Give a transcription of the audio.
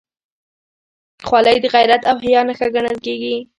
خولۍ د غیرت او حیا نښه ګڼل کېږي.